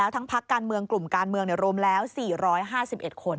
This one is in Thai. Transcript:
ตั้งประกันเมืองกลุ่มการเมืองโรมแล้ว๔๕๑คน